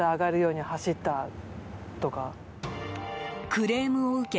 クレームを受け